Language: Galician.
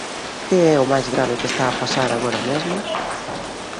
Que é o máis grave que está a pasar agora mesmo?